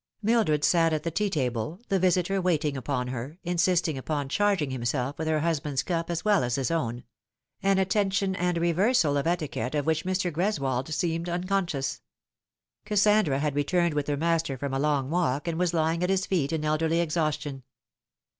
Mildred sat at the tea table, the visitor waiting upon her, insisting upon charging himself with her husband's cup as well as his own ; au attention and reversal of etiquette of which Mr. Greswold seemed unconscious. Kassandra had returned with her master from a long walk, and was lying at his feet in elderly exhaustion.